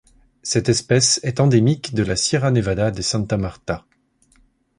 Cette espèce est endémique de la Sierra Nevada de Santa Marta.